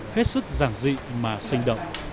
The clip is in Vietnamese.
hết sức giảng dị mà sinh động